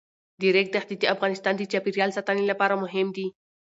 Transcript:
د ریګ دښتې د افغانستان د چاپیریال ساتنې لپاره مهم دي.